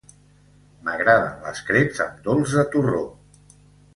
M'agraden les creps amb dolç de torró.